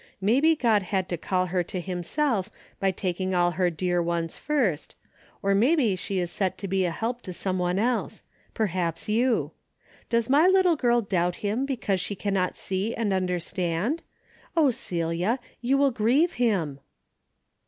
Maybe God had to call her to himself by taking all her dear ones first, or maybe she is set to be a help to some one else, — perhaps you. Does my little girl doubt him because she cannot see and understand ? Oh, Celia ! You will grieve him."